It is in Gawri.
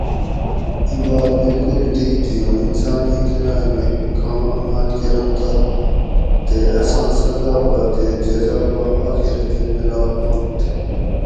ایں بات بالکل ٹھیک تھی اُوں انسان اِیں دنائ مئ کاں عمال کرنتہ تے اساں سزا پا تے جزا پا آخرتہ ملا ہوانت